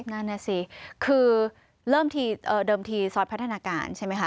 นั่นแน่สิคือเดิมทีซอสพัฒนาการใช่ไหมคะ